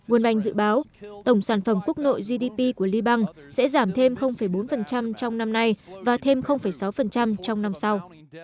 world bank dự báo tổng sản phẩm quốc nội gdp của liban sẽ giảm thêm bốn trong năm nay và thêm sáu trong năm sau